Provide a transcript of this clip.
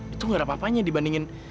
itu gak ada apa apanya dibandingin